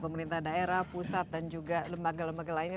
pemerintah daerah pusat dan juga lembaga lembaga lainnya